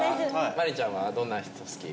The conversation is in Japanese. マリンちゃんはどんな人好き？